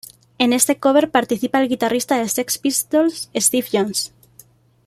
En este cover participa el guitarrista de Sex Pistols Steve Jones.